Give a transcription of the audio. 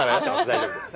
大丈夫です。